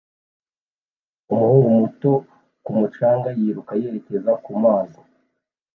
Umuhungu muto ku mucanga yiruka yerekeza kumazi